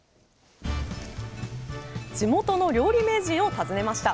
地元の料理名人を訪ねました